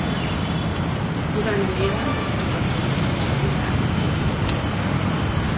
Zu seinen Lehrern gehörten Gottfried Grote und Ernst Pepping.